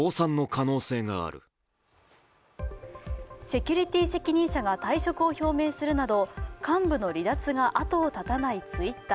セキュリティー責任者が退職を表明するなど幹部の離脱が後を絶たないＴｗｉｔｔｅｒ。